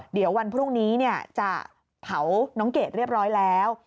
เดี๋ยววันพรุ่งนี้จะเผาน้องเกดเรียบร้อยแล้ว